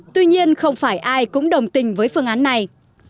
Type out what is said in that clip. tuy nhiên không phải ai cũng đồng tình với phương án này